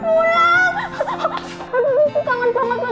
aduh aku kangen banget sama masang